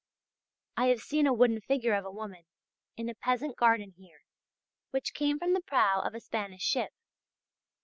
I have seen a wooden figure of a woman, in a peasant garden here, which came from the prow of a Spanish ship.